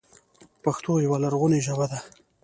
پښتو یوه لرغونې ژبه ده